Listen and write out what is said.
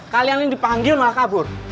kalian ini dipanggil malah kabur